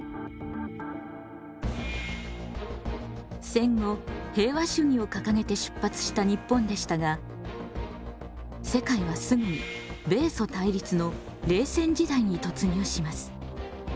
戦後平和主義をかかげて出発した日本でしたが世界はすぐに米ソ対立の冷戦時代に突入します。